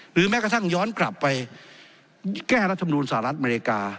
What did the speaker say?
แม้กระทั่งย้อนกลับไปแก้รัฐมนูลสหรัฐอเมริกา